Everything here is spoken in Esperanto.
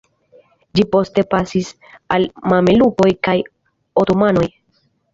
Ĝi poste pasis al mamelukoj kaj otomanoj.